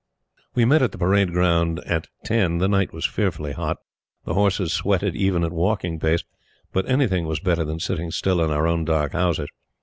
We met at the parade ground at ten: the night was fearfully hot. The horses sweated even at walking pace, but anything was better than sitting still in our own dark houses.